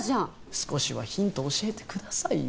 少しはヒント教えてくださいよ。